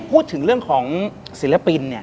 พูดถึงเรื่องของศิลปินเนี่ย